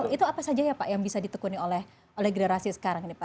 itu apa saja ya pak yang bisa ditekuni oleh generasi sekarang ini pak